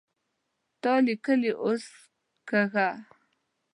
تا ليکلې اوس کږه